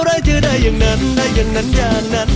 อะไรเธอได้อย่างนั้นได้อย่างนั้นอย่างนั้น